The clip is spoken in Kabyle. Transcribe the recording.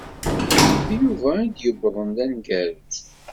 D Yuba ay d-yuwḍen d aneggaru.